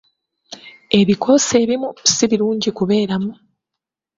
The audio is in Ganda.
Ebikoosi ebimu si birungi kubeeramu.